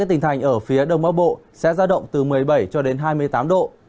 hai tỉnh thành ở phía đông bắc bộ sẽ ra động từ một mươi bảy cho đến hai mươi tám độ